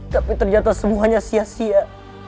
tapi ternyata semuanya sia sia